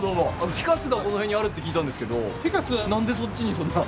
フィカスがこの辺にあるって聞いたんですけど何でそっちにそんな。